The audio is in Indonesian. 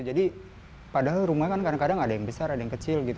jadi padahal rumah kan kadang kadang ada yang besar ada yang kecil gitu